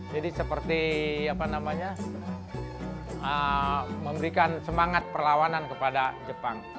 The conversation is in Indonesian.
jadi seperti memberikan semangat perlawanan kepada jepang